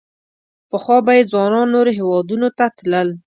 پخوا به یې ځوانان نورو هېوادونو ته تلل.